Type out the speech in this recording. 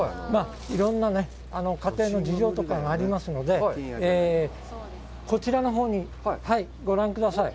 いろんな家庭の事情とかがありますのでこちらのほうにご覧ください。